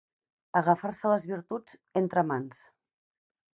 Agafar-se les virtuts entre mans.